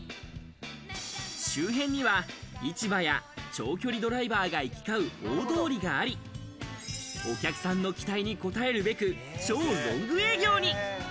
周辺には市場や長距離ドライバーが行き交う大通りがあり、お客さんの期待に応えるべく、超ロング営業に。